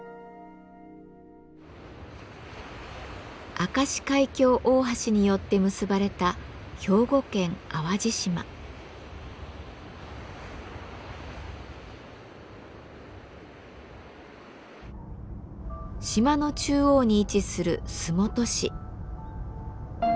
明石海峡大橋によって結ばれた島の中央に位置する洲本市。